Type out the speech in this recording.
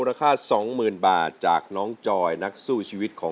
จะทุกข์จะจนสักแค่ไหน